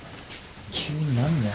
急に何だよ。